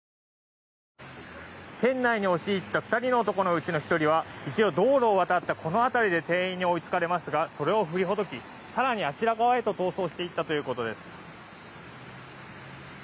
店内に押し入った２人の男のうちの１人は道路を渡った、この辺りで店員に追いつかれますがそれを振りほどき更にあちら側へと逃走していったということです。